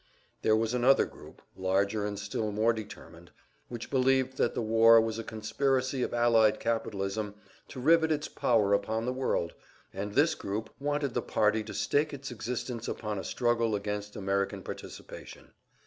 There was another group, larger and still more determined, which believed that the war was a conspiracy of allied capitalism to rivet its power upon the world, and this group wanted the party to stake its existence upon a struggle against American participation.